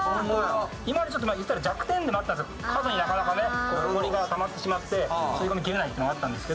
今まで言ったら弱点でもあったんですよ、角にほこりがたまってしまって吸い込みきれないというのがあったんですが。